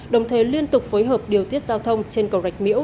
đồng thời liên tục phối hợp điều tiết giao thông trên cầu rạch miễu